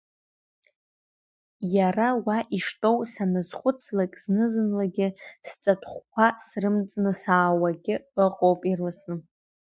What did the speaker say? Иара уа иштәоу саназхәыцлак, зны-зынлагьы сҵатәхәқәа срымҵны санаауагьы ыҟоуп ирласны.